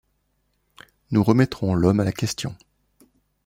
Nous remettrons l’homme à la question.